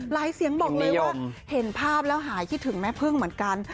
เสียงบอกเลยว่าเห็นภาพแล้วหายคิดถึงแม่พึ่งเหมือนกัน